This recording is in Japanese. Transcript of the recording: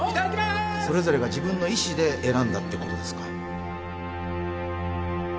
それぞれが自分の意思で選んだってことですか？